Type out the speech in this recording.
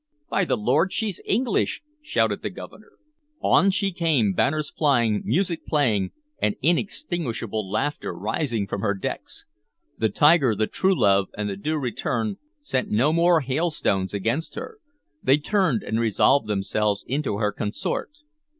"By the Lord, she's English!" shouted the Governor. On she came, banners flying, music playing, and inextinguishable laughter rising from her decks. The Tiger, the Truelove, and the Due Return sent no more hailstones against her; they turned and resolved themselves into her consort.